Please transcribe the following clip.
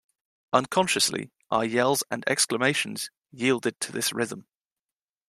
Unconsciously, our yells and exclamations yielded to this rhythm.